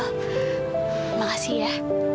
terima kasih ya